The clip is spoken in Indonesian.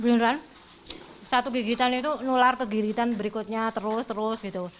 beneran satu gigitan itu nular kegigitan berikutnya terus terus gitu